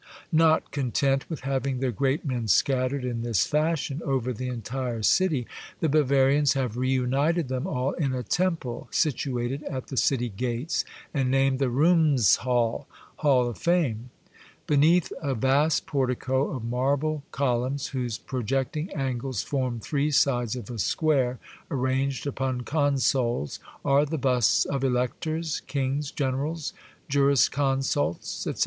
Not content with having their great men scat tered in this fashion over the entire city, the Bavarians have reunited them all in a Temple situated at the city gates, and named the Ruhmes halle (Hall of Fame). Beneath a vast portico The Blind Emperor. o^j of marble columns whose projecting angles form three sides of a square, arranged upon consoles, are the busts of electors, kings, generals, juriscon sults, etc.